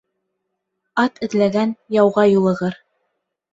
Ат эҙләгән яуға юлығыр